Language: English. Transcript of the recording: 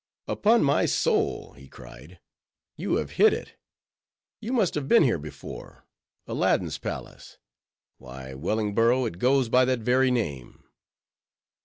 "Upon my soul," he cried, "you have hit it:—you must have been here before! Aladdin's Palace! Why, Wellingborough, it goes by that very name."